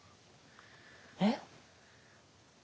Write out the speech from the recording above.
えっ？